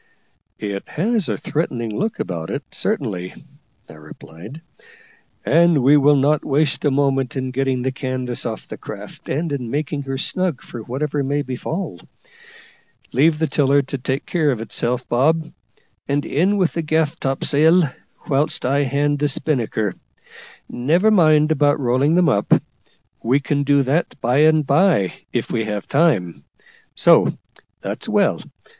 "It has a threatening look about it, certainly," I replied, "and we will not waste a moment in getting the canvas off the craft, and in making her snug for whatever may befall. Leave the tiller to take care of itself, Bob, and in with the gaff topsail, whilst I hand the spinnaker. Never mind about rolling them up; we can do that by and bye, if we have time. So; that's well.